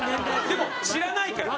でも知らないから。